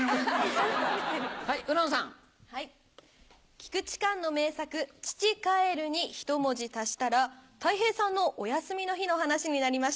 菊池寛の名作『父帰る』にひと文字足したらたい平さんのお休みの日の話になりました。